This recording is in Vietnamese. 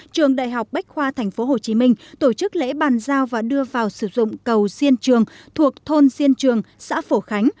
trường đại học bách khoa tp hcm tổ chức lễ bàn giao và đưa vào sử dụng cầu diên trường thuộc thôn diên trường xã phổ khánh